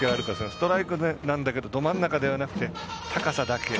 ストライクなんだけどど真ん中ではなくて高さだけ。